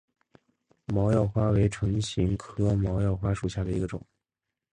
毛药花为唇形科毛药花属下的一个种。